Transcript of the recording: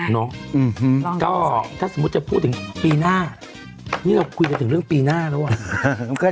เนาะก็ถ้าสมมุติจะพูดถึงปีหน้านี่เราคุยกันถึงเรื่องปีหน้าแล้วว่ะ